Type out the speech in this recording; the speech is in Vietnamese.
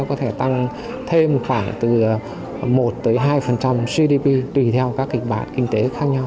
có thể tăng thêm khoảng từ một hai gdp tùy theo các kinh tế